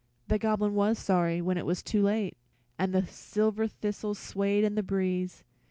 The Goblin was sorry when it was too late, and the silver thistle swayed in the breeze.